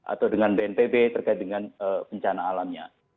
atau dengan bnpb terkait dengan bencana alamnya